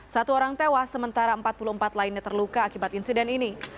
satu orang tewas sementara empat puluh empat lainnya terluka akibat insiden ini